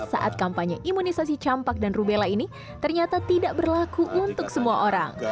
saat kampanye imunisasi campak dan rubella ini ternyata tidak berlaku untuk semua orang